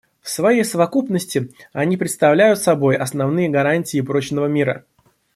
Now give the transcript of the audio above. В своей совокупности они представляют собой основные гарантии прочного мира.